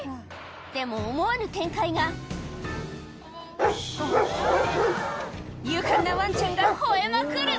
でも思わぬ展開が勇敢なワンちゃんが吠えまくる